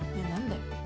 何で？